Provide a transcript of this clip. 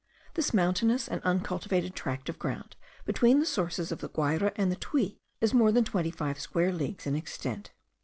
This mountainous and uncultivated tract of ground between the sources of the Guayra and the Tuy is more than twenty five square leagues in extent.